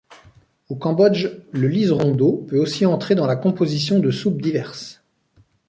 Au Cambodge, le liseron d'eau peut aussi entrer dans la composition de soupes diverses.